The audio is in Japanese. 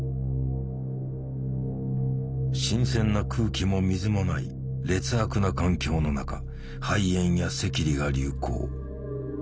新鮮な空気も水もない劣悪な環境の中肺炎や赤痢が流行。